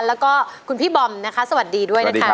แล้วก็คุณพี่บอมนะคะสวัสดีด้วยนะคะ